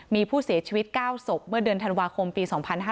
มีผู้เสียชีวิต๙ศพเมื่อเดือนธันวาคมปี๒๕๕๙